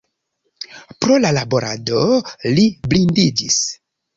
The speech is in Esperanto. Pro la laborado li blindiĝis.